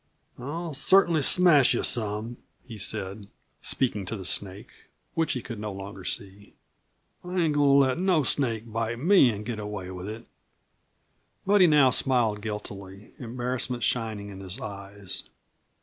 "I'll cert'nly smash you some!" he said, speaking to the snake which he could no longer see. "I ain't goin' to let no snake bite me an' get away with it!" But he now smiled guiltily, embarrassment shining in his eyes.